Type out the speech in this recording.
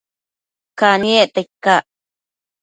Caniecta icac?